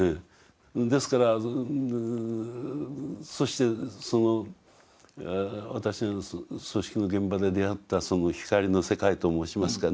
ですからそしてその私の葬式の現場で出会ったその光の世界と申しますかね